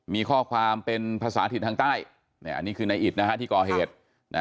มีข้อความเป็นภาษาอเงียดทางใต้ที่ก่อเหตุ